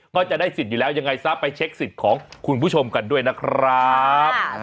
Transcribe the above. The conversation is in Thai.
ก็จะได้สิทธิ์อยู่แล้วยังไงซะไปเช็คสิทธิ์ของคุณผู้ชมกันด้วยนะครับ